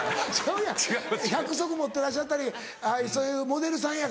１００足持ってらっしゃったりそういうモデルさんやから。